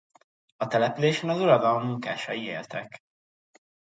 A településen az uradalom munkásai éltek.